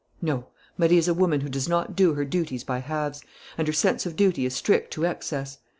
"No. Marie is a woman who does not do her duty by halves; and her sense of duty is strict to excess.